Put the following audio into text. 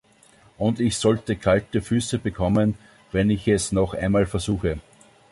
Und ich sollte kalte Füße bekommen, wenn ich es noch einmal versuche.